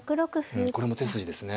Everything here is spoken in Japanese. うんこれも手筋ですね。